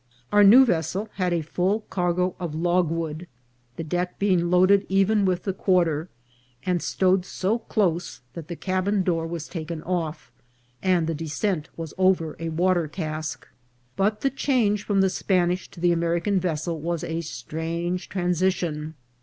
Our new vessel had a full cargo of logwood, the deck being loaded even with the quarter, and stowed so close that the cabin door was taken off, and the descent was over a water cask ; but the change from the Spanish to the American vessel was a strange transition.